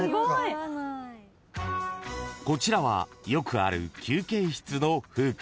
［こちらはよくある休憩室の風景］